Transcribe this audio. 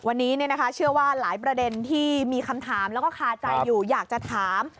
วันนี้เชื่อว่าหลายประเด็นที่มีคำถามแล้วก็คาใจอยู่อยากจะถาม